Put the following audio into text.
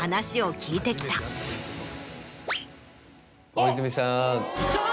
大泉さん。